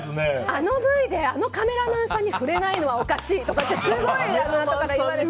あのＶＴＲであのカメラマンさんに触れないのはおかしいとかすごい言われて。